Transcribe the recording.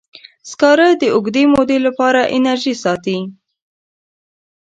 سکاره د اوږدې مودې لپاره انرژي ساتي.